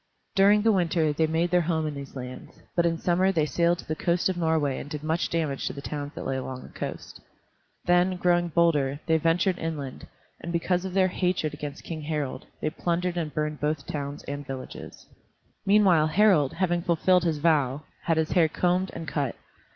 During the winter they made their home in these lands, but in summer they sailed to the coast of Norway and did much damage to the towns that lay along the coast. Then, growing bolder, they ventured inland, and because of their hatred against King Harald, they plundered and burned both towns and villages. Meanwhile Harald, having fulfilled his vow, had his hair combed and cut.